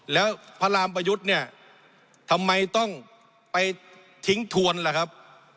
แล้วพระรามประยุทธ์เนี่ยทำไมต้องไปทิ้งทวนล่ะครับ